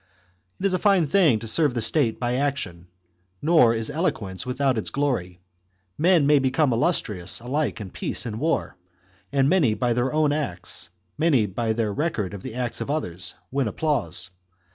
It is a fine thing to serve the state by action, nor chap. is eloquence without its glory. Men may become illustrious alike in peace and war, and many by their own acts, many by their record of the acts of others, win applause.